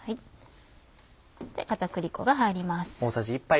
片栗粉が入ります。